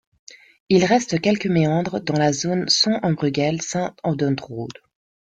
Il reste quelques méandres dans la zone Son en Breugel - Sint-Oedenrode.